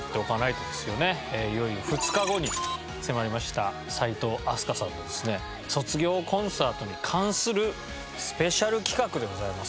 いよいよ２日後に迫りました齋藤飛鳥さんのですね卒業コンサートに関するスペシャル企画でございます。